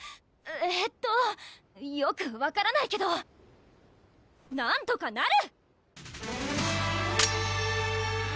えーっとよく分からないけどなんとかなる！